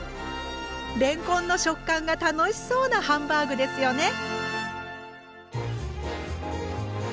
れんこんの食感が楽しそうなハンバーグですよね！